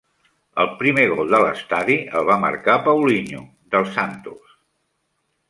El primer gol de l'estadi el va marcar Paulinho, del Santos.